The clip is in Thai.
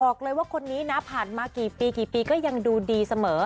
บอกเลยว่าคนนี้นะผ่านมากี่ปีกี่ปีก็ยังดูดีเสมอ